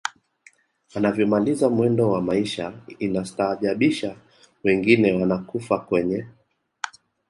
anavyomaliza mwendo wa maisha inastaadhajabisha wengine wanakufa kwenye